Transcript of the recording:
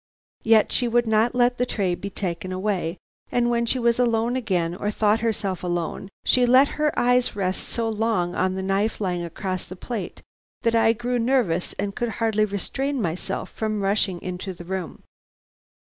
Yet she would not let the tray be taken away, and when she was alone again or thought herself alone, she let her eyes rest so long on the knife lying across her plate, that I grew nervous and could hardly restrain myself from rushing into the room.